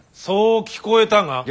そう聞こえたが。